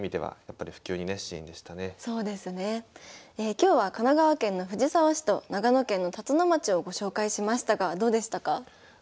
今日は神奈川県の藤沢市と長野県の辰野町をご紹介しましたがどうでしたか？